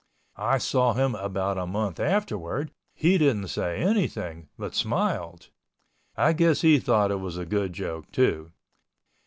I saw him about a month afterward, he didn't say anything, but smiled. I guess he thought it was a good joke too.